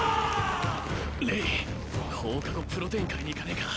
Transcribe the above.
レイ放課後プロテイン買いに行かねえか？